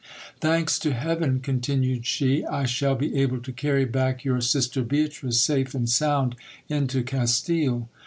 Thanks to heaven, continued she, I shall be able to carry back your sister Beatrice safe and sound into Castile.